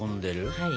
はい。